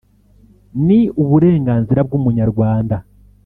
ni uburenganzira bw’umunyarwanda